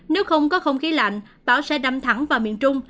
nếu không có không khí lạnh bão sẽ đâm thẳng vào miền trung